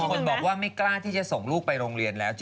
คนบอกว่าไม่กล้าที่จะส่งลูกไปโรงเรียนแล้ว